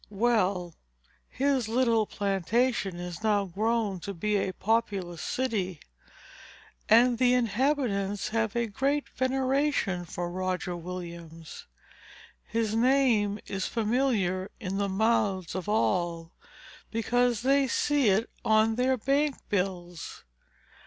Well; his little plantation is now grown to be a populous city; and the inhabitants have a great veneration for Roger Williams. His name is familiar in the mouths of all because they see it on their bank bills.